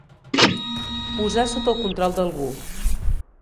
Posar sota el control d'algú.